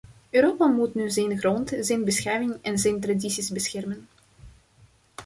Europa moet nu zijn grond, zijn beschaving en zijn tradities beschermen.